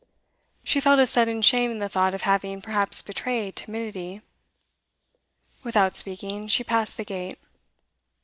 She felt a sudden shame in the thought of having perhaps betrayed timidity. Without speaking, she passed the gate.